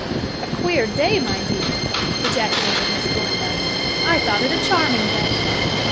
"A queer day, my dear!" ejaculated Miss Belinda. "I thought it a charming day."